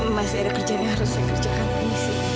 maaf masih ada kerjaan yang harus saya kerjakan